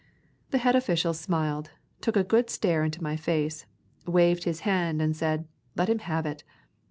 The head official smiled, took a good stare into my face, waved his hand, and said, "Let him have it."